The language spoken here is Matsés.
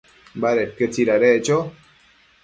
Badedquio tsidadeccho